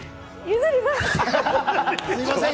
譲ります。